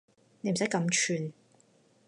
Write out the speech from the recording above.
你唔使咁串